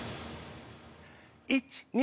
１・２。